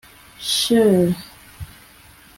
sheen